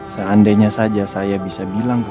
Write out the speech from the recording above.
seandainya saja saya bisa bilang ke kamu